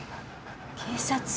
警察？